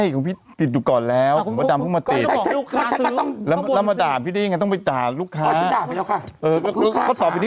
ของพี่หนุ่มเขามีตั้งนานแล้วเขามาก่อน